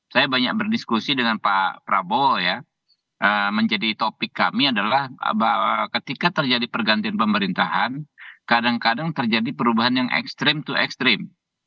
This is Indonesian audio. saya banyak berdiskusi dengan pak prabowo ya menjadi topik kami adalah ketika terjadi pergantian pemerintahan kadang kadang terjadi perubahan yang ekstrim to ekstrim